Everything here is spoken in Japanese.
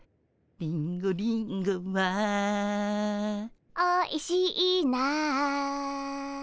「リンゴリンゴはおいしいな」